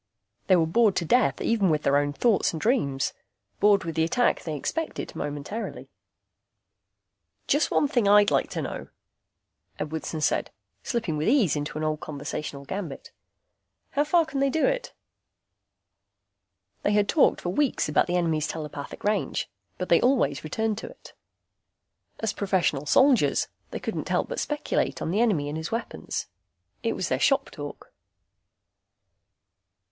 They were bored to death even with their own thoughts and dreams, bored with the attack they expected momentarily. "Just one thing I'd like to know," Edwardson said, slipping with ease into an old conversational gambit. "How far can they do it?" They had talked for weeks about the enemy's telepathic range, but they always returned to it. As professional soldiers, they couldn't help but speculate on the enemy and his weapons. It was their shop talk.